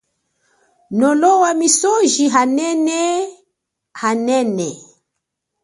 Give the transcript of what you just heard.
Nolowa misoji anene anene.